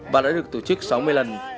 và đã được tổ chức sáu mươi lần